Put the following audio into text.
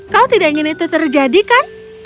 kau tidak ingin itu terjadi kan